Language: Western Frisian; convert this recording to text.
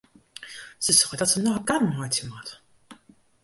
Se seit dat se noch in kar meitsje moat.